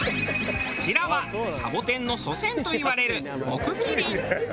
こちらはサボテンの祖先といわれる杢キリン。